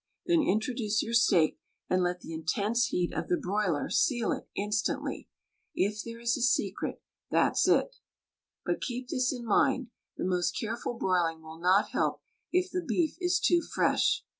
Then introduce your steak and let the in tense heat of the broiler seal it instantly. If there is a secret, that's it! But keep this in mind: the most careful broiling will not help if the beef is too fresh.